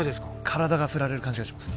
体が振られる感じがします